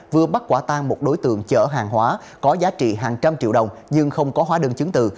vừa bắt quả tan một đối tượng chở hàng hóa có giá trị hàng trăm triệu đồng nhưng không có hóa đơn chứng từ